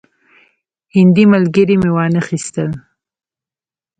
هندي ملګري مې وانه خیستل.